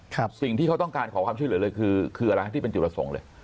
สิ่งที่เขาต้องการขอความช่วยเหลือเลยคือคืออะไรที่เป็นจุดประสงค์เลย